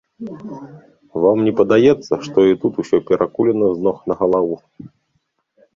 Вам не падаецца, што і тут усё перакулена з ног на галаву?